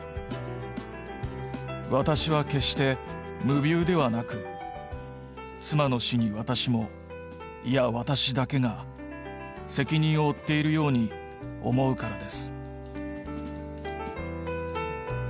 「私は決して無謬ではなく妻の死に私も、いや私だけが責任を負っているように思うからです」。